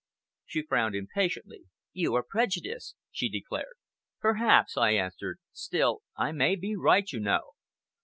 She frowned impatiently. "You are prejudiced," she declared. "Perhaps," I answered. "Still, I may be right, you know."